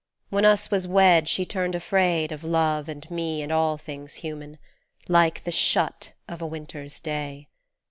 When us was wed she turned afraid Of love and me and all things human ; Like the shut of a winter's day.